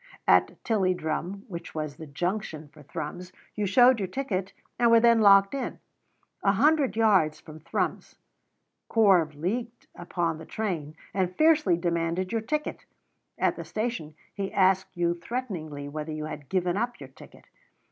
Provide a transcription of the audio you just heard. At Tilliedrum, which was the junction for Thrums, you showed your ticket and were then locked in. A hundred yards from Thrums. Corp leaped upon the train and fiercely demanded your ticket. At the station he asked you threateningly whether you had given up your ticket.